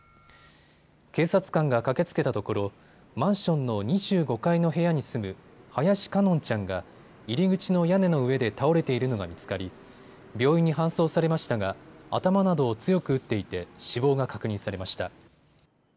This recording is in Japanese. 警察官が駆けつけたところマンションの２５階の部屋に住む林奏音ちゃんが入り口の屋根の上で倒れているのが見つかり病院に搬送されましたが頭などを強く打っていて死亡が確認されました。